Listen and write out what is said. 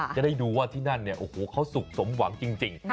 จะได้ดูว่าที่นั่นเขาสุขสมหวังจริง